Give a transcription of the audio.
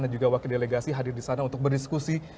dan juga wakil delegasi hadir di sana untuk berdiskusi